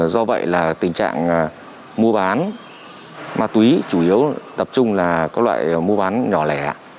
do vậy là tình trạng mua bán ma túy chủ yếu tập trung là các loại mua bán nhỏ lẻ